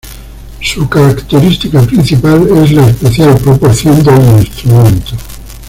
Su característica principal es la especial proporción del instrumento.